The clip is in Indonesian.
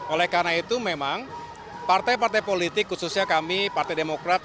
oleh karena itu memang partai partai politik khususnya kami partai demokrat